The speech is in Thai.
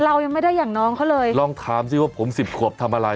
เรายังไม่ได้อย่างน้องเขาเลยลองถามสิว่าผมสิบขวบทำอะไร